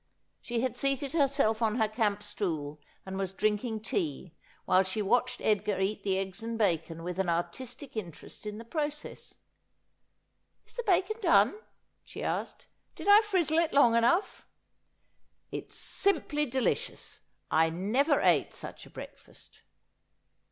She had seated herself on her camp stool and was drinking tea, while she watched Edgar eat the eggs and bacon with an artistic interest in the process. ' Is the bacon done ?' she asked. ' Did I frizzle it long enough ?'' It's simply delicious ; I never ate such a breakfast.'